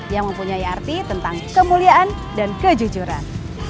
yang mempunyai arti tentang kemuliaan dan kejujuran